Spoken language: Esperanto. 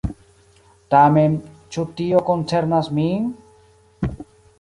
Tamen, ĉu tio koncernas min?